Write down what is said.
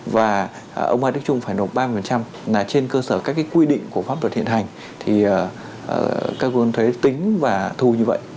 và ông mai đức trung phải nộp ba mươi là trên cơ sở các cái quy định của pháp luật hiện hành thì các vốn thuế tính và thu như vậy